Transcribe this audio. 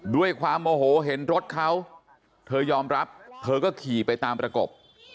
ด้วยความโมโหเห็นรถเขาเธอยอมรับเธอก็ขี่ไปตามประกบ